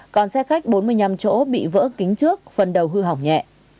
còn xe khách bốn mươi năm chỗ bị vỡ kính trước phần đầu hư hỏng nhẹ